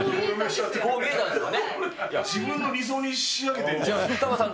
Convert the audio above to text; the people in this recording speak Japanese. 自分の理想に仕上げてんじゃん。